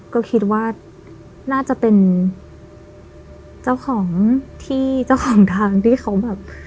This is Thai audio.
ก็คิดว่าน่าจะเป็นเจ้าของที่เจ้าของทางที่เขาแบบ